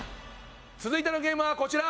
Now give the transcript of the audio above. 続いてのゲームはこちら！